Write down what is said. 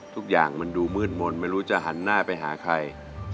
ทุกอย่างมันดูมืดมนต์ไม่รู้จะหันหน้าไปหาใคร